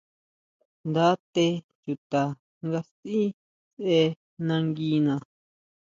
Nda té chuta nga sʼí sʼe nanguina.